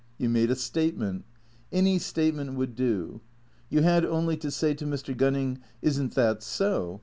You made a statement. Any statement would do. You had only to say to Mr. Gunning, "Isn't that so?"